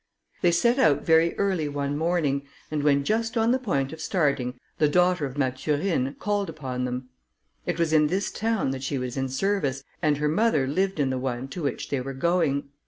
They set out very early one morning, and when just on the point of starting, the daughter of Mathurine called upon them. It was in this town that she was in service, and her mother lived in the one to which they were going.